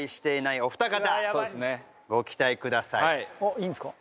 いいんですか？